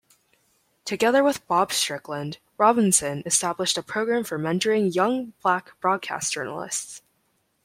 Together with Bob Strickland, Robinson established a program for mentoring young black broadcast journalists.